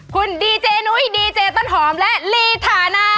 คุณดีเจนุ้ยดีเจต้นหอมและลีฐานา